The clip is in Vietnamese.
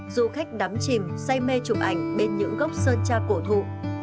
du khách đắm chìm say mê chụp ảnh bên những gốc sơn tra cổ thụ